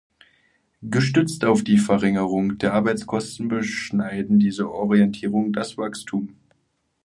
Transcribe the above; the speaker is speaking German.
Gestützt auf die Verringerung der Arbeitskosten, beschneiden diese Orientierungen das Wachstum.